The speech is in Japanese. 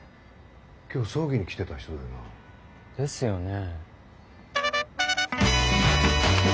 今日葬儀に来てた人だよな。ですよね。